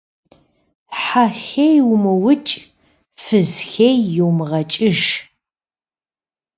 Хьэ хей умыукӏ, фыз хей йумыгъэкӏыж.